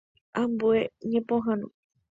Ambue ñepohãno.